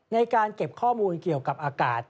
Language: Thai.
ในการเก็บข้อมูลเกี่ยวกับอากาศ